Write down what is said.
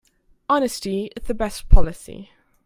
Honesty is the best policy.